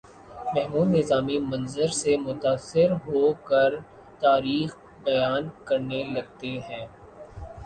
محمود نظامی منظر سے متاثر ہو کر تاریخ بیان کرنے لگتے ہیں